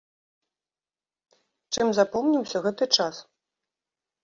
Чым запомніўся гэты час?